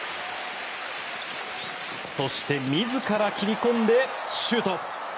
そして自ら切り込んでシュート。